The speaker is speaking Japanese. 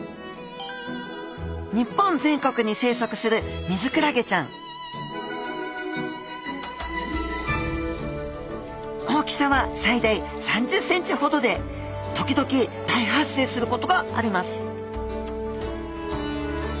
日本全国に生息するミズクラゲちゃん大きさは最大３０ｃｍほどで時々大発生することがあります